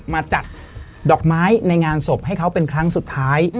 มาจัดดอกไม้ในงานศพให้เขาเป็นครั้งสุดท้าย